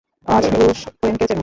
অজ, Bruce ওয়েনকে চেনো?